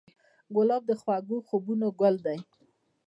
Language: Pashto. ګلاب د خوږو خوبونو ګل دی.